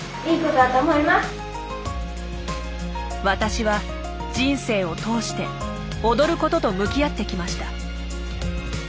私は人生を通して踊ることと向き合ってきました。